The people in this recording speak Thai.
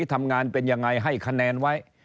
ทำงานเป็นยังไงให้คะแนนไว้